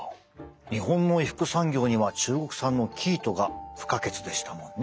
日本の衣服産業には中国産の生糸が不可欠でしたもんね。